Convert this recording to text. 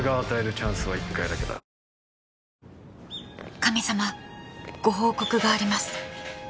神様ご報告があります